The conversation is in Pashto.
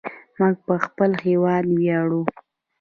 موږ په خپل هیواد ویاړو.